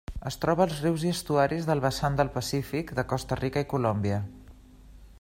Es troba als rius i estuaris del vessant del Pacífic de Costa Rica i Colòmbia.